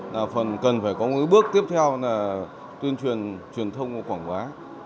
là phần cần phải có một bước tiếp theo là tuyên truyền truyền thông và quảng bá